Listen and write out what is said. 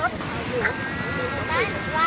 อีกใบหนึ่ง